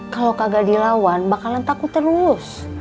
kalau kagak dilawan bakalan takut terus